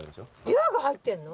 びわが入ってんの？